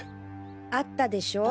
あったでしょ？